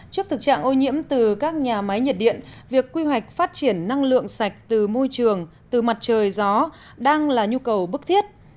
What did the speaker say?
trước thực trạng ô nhiễm từ các nhà máy nhiệt điện việc quy hoạch phát triển năng lượng sạch từ môi trường từ mặt trời gió đang là nhu cầu bức thiết